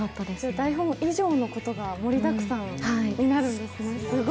台本以上のことが盛りだくさんになるんですね。